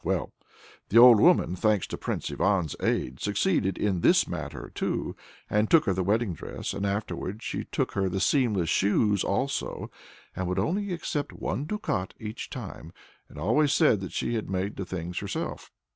Well, the old woman, thanks to Prince Ivan's aid, succeeded in this matter too, and took her the wedding dress. And afterwards she took her the seamless shoes also, and would only accept one ducat each time and always said that she had made the things herself.